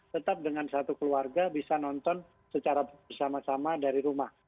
tetap dengan satu keluarga bisa nonton secara bersama sama dari rumah